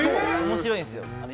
面白いんですよ。